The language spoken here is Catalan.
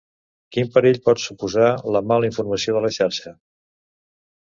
Quin perill pot suposar la mala informació de la xarxa?